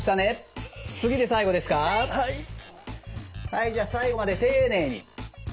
はいじゃあ最後まで丁寧に。